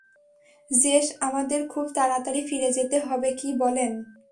JS আমাদের খুব তাড়াতাড়ি ফিরে যেতে হবে কি বলেন?